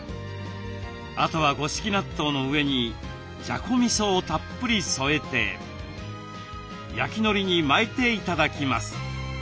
あとは五色納豆の上にじゃこみそをたっぷり添えて焼きのりに巻いて頂きます。